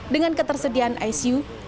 dengan ketersediaan ic